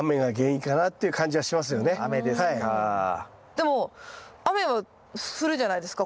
でも雨は降るじゃないですか